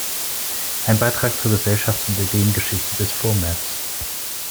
Ein Beitrag zur Gesellschafts- und Ideengeschichte des Vormärz“.